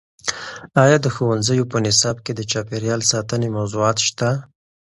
ایا د ښوونځیو په نصاب کې د چاپیریال ساتنې موضوعات شته؟